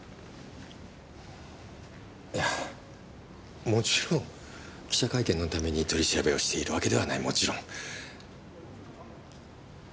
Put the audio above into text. いやもちろん記者会見のために取り調べをしているわけではないもちろん。